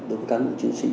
đối với cán bộ chiến sĩ